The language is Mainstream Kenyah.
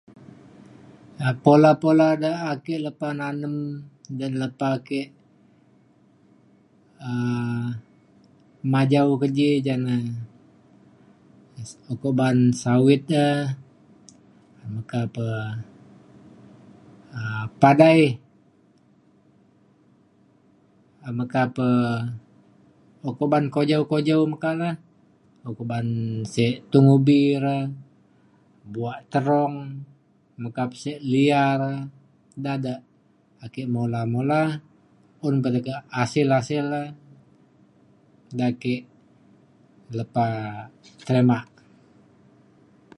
um pula pula de ake lepa nanem dan lepa ke um majau ke ji ja na ukok ba’an sawit ja meka pe um padai meka pe ukok ban kujau kujau meka le ukok ban sek tung ubi re buak terung meka pe sek lia re. da da ake mula mula un pe tekak hasil hasil le da ake lepa terima.